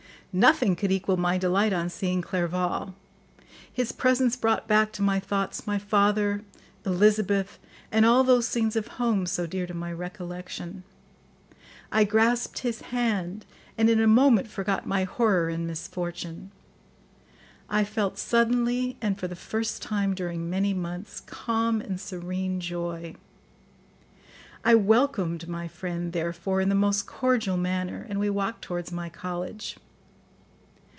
Nothing could equal my delight on seeing Clerval; his presence brought back to my thoughts my father, Elizabeth, and all those scenes of home so dear to my recollection. I grasped his hand, and in a moment forgot my horror and misfortune; I felt suddenly, and for the first time during many months, calm and serene joy. I welcomed my friend, therefore, in the most cordial manner, and we walked towards my college.